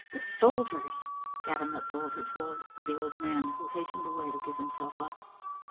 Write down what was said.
" The soldiers !" Gavin let go his hold of the old man, who hastened away to give himself up.